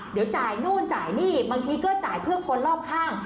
เดี๋ยวจ่ายนู่นจ่ายนี่บางทีก็จ่ายเพื่อคนรอบข้าง